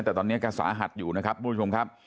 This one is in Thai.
แต่ตอนนี้ก็สาหัสอยู่นะครับทุกผู้ชมครับ